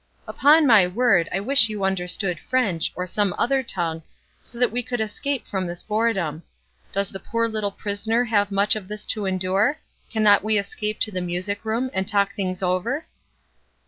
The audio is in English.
"Upon my word, I wish you understood French, or some other tongue, so that we could escape from this boredom. Does the poor little prisoner have much of this to endure? Cannot we escape to the music room, and talk things over?"